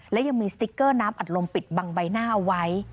และยังมีสติ๊กเกอร์น้ำอัดลมปิดบังใบหน้าเอาไว้